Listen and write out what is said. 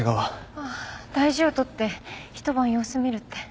ああ大事を取ってひと晩様子見るって。